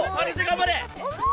頑張れ！